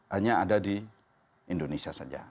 hanya ada di indonesia saja